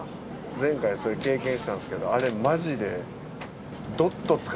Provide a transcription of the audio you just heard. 前回それ経験したんですけどあれマジで。